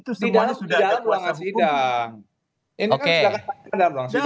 ini kan sudah kata kata di dalam ruang sidang